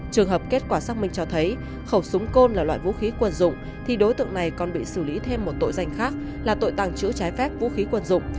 trường hợp kết quả xác minh cho thấy khẩu súng côn là loại vũ khí quân dụng thì đối tượng này còn bị xử lý thêm một tội danh khác là tội tàng trữ trái phép vũ khí quân dụng